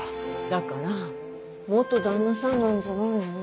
だから旦那さんなんじゃないの？